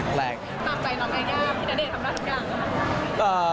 ตามไปหรือไม่กล้าพี่ณเดชน์ทำได้ทั้งการหรือเปล่า